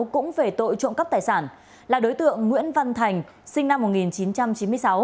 cũng về tội trộm cắp tài sản là đối tượng nguyễn văn thành sinh năm một nghìn chín trăm chín mươi sáu